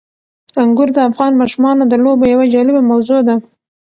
انګور د افغان ماشومانو د لوبو یوه جالبه موضوع ده.